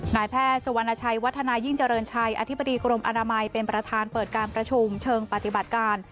นายแพทย์สุวรรณชัยวัฒนายิ่งเจริญชัยอธิบดีกรมอนามัยเป็นประธานเปิดการประชุมเชิงปฏิบัติการ